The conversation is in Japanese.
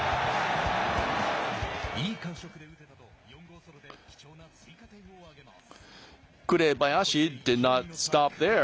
いい感触で打てたと４号ソロで貴重な追加点を挙げます。